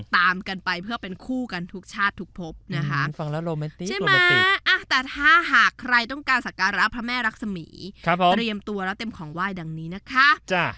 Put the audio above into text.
แต่ถ้าหากใครต้องการสาการหระพระแม่ลักษมีศเตรียมตัวแล้วเต็มของว่ายดังนี้นะคะ